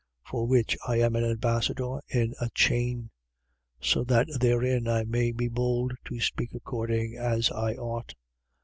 For which I am an ambassador in a chain: so that therein I may be bold to speak according as I ought.